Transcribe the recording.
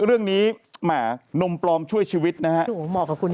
เรื่องนี้นมปลอมช่วยชีวิตนะครับ